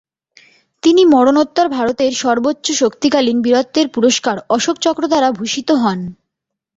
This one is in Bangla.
তিনি মরণোত্তর ভারতের সর্বোচ্চ শান্তিকালীন বীরত্বের পুরষ্কার অশোক চক্র দ্বারা ভূষিত হন।